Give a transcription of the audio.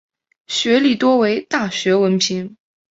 学历多为大学文凭。